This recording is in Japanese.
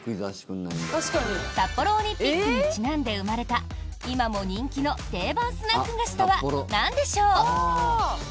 札幌オリンピックにちなんで生まれた今も定番の人気スナック菓子とはなんでしょう。